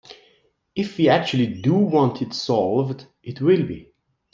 If we actually do want it solved, it will be.